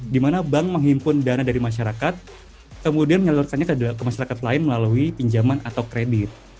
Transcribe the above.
di mana bank menghimpun dana dari masyarakat kemudian menyalurkannya ke masyarakat lain melalui pinjaman atau kredit